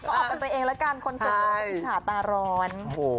ก็ออกกันไปเองละกันคนเสียบินชาตาร้อน